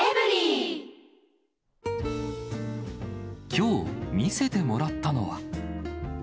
きょう、見せてもらったのは。